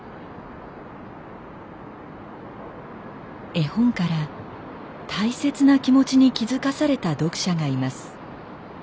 絵本から大切な気持ちに気付かされた読者がいます。